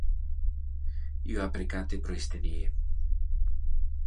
Io ha precate pro iste die.